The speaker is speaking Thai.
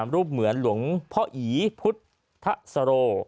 รูปเหมือนหลวงพ่ออีพุทธสโร